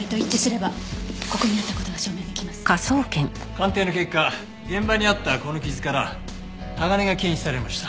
鑑定の結果現場にあったこの傷から鋼が検出されました。